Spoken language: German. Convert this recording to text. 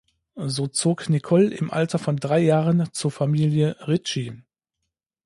So zog Nicole im Alter von drei Jahren zur Familie Richie.